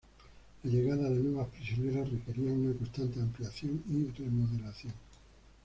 La llegada de nuevas prisioneras requería una constante ampliación y remodelación.